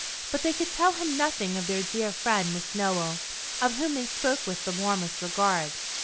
But they could tell him nothing of their dear friend Miss Nowell, of whom they spoke with the warmest regard.